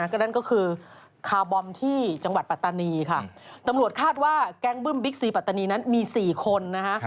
ก็นั่นก็คือคาร์บอมที่จังหวัดปัตตานีค่ะตำรวจคาดว่าแก๊งบึ้มบิ๊กซีปัตตานีนั้นมี๔คนนะคะ